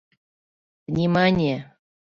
Внимание!